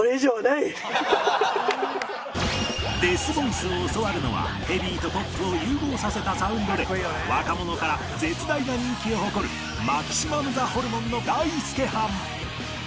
デスボイスを教わるのはヘビーとポップを融合させたサウンドで若者から絶大な人気を誇るマキシマムザホルモンのダイスケはん